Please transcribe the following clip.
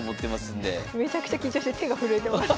めちゃくちゃ緊張して手が震えてます。